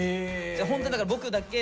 ホントだから僕だけえ！